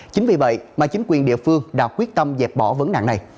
chính vì vậy mà chính quyền địa phương đã quyết tâm dẹp bỏ vấn nạn này